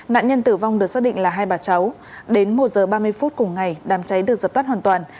nạn nhân tử vong được xác định là hai bà cháu đến một h ba mươi phút cùng ngày đám cháy được dập tắt hoàn toàn